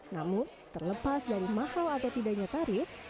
namun terlepas dari mahal atau tidaknya tarif